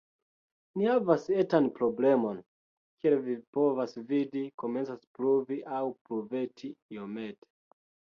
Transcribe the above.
Ni havas etan problemon. Kiel vi povas vidi, komencas pluvi, aŭ pluveti, iomete.